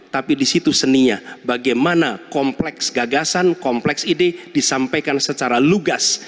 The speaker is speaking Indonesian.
tapi di situ seninya bagaimana kompleks gagasan kompleks ide disampaikan secara lugas